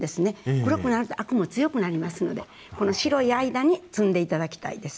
黒くなるとアクも強くなりますのでこの白い間に摘んで頂きたいです。